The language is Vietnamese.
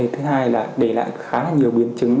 thứ hai là để lại khá là nhiều biến chứng